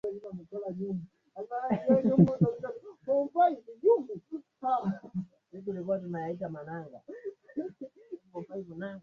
meli hiyo ilizama siku ya nne baada ya kuanza safari yake